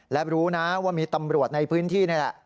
และรู้นะว่ามีตำรวจในพื้นที่นี่แหละ